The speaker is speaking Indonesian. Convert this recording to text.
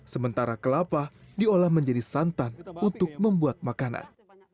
sementara kelapa diolah menjadi santan untuk membuat makanan